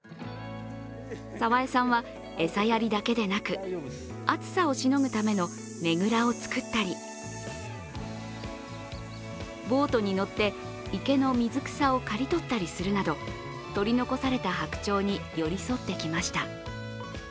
澤江さんは、餌やりだけでなく暑さをしのぐためのねぐらを作ったりボートに乗って池の水草を刈り取ったりするなど取り残された白鳥に寄り添ってきました。